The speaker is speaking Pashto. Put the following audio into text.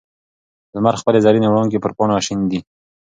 لمر خپلې زرینې وړانګې پر پاڼه شیندي.